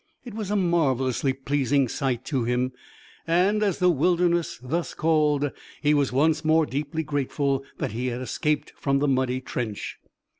It was a marvelously pleasing sight to him, and, as the wilderness thus called, he was once more deeply grateful that he had escaped from the muddy trench.